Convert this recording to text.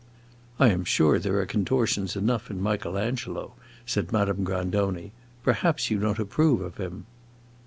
"I 'm sure there are contortions enough in Michael Angelo," said Madame Grandoni. "Perhaps you don't approve of him."